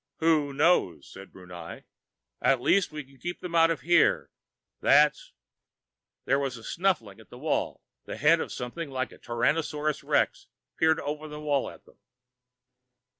"Who knows?" said Brunei. "At least we can keep them out of here. That's " There was a snuffling at the wall. The head of something like a Tyrannosaurus Rex peered over the wall at them.